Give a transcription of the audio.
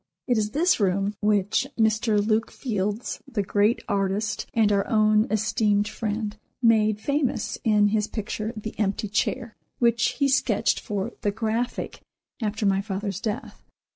It is this room which Mr. Luke Fildes, the great artist and our own esteemed friend, made famous in his picture "The Empty Chair," which he sketched for "The Graphic" after my father's death.